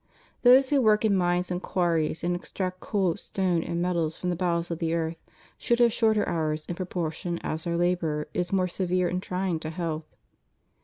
Those who work in mines and quarries, and extract coal, stone, and metals from the bowels of the earth, should have shorter hours in proportion as their labor is more severe and trying to health.